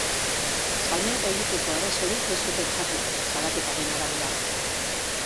Salmenta egiteko arazorik ez zuten jarri, salaketaren arabera.